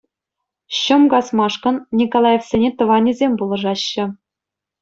Ҫӑм касмашӑкн Николаевсене тӑванӗсем пулӑшаҫҫӗ.